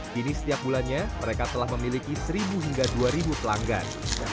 kini setiap bulannya mereka telah memiliki seribu hingga dua ribu pelanggan